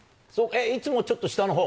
いつもちょっと下のほう？